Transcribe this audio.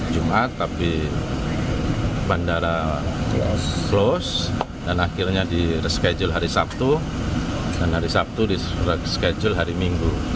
jumat tapi bandara flows dan akhirnya di reschedule hari sabtu dan hari sabtu di schedule hari minggu